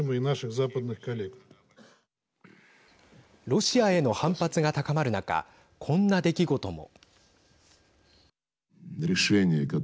ロシアへの反発が高まる中こんな出来事も。